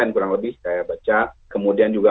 kurang lebih saya baca kemudian juga